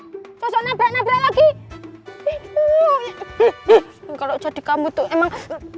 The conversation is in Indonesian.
hai sana berada lagi kalau jadi kamu tuh emang